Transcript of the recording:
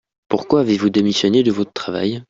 Pourquoi avez-vous démissionné de votre travail ?